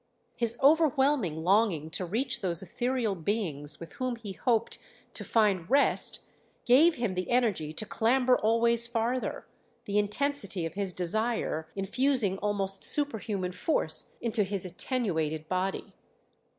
His overwhelming longing to reach those ethereal beings with whom he hoped to find rest gave him the energy to clamber always farther, the intensity of his desire infusing almost superhuman force into his attenuated body.